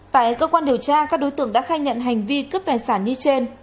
tại cơ quan điều tra các đối tượng đã khai nhận hành vi cướp tài sản như trên